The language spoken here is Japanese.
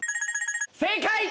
正解！